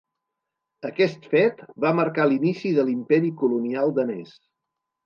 Aquest fet va marcar l'inici de l'imperi colonial danès.